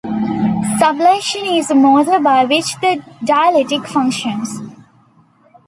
Sublation is the motor by which the dialectic functions.